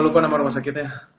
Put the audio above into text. lupa nama rumah sakitnya